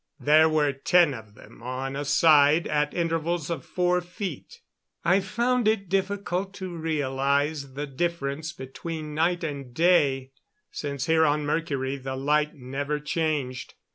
There were ten of them on a side at intervals of four feet. I found it difficult to realize the difference between night and day, since here on Mercury the light never changed.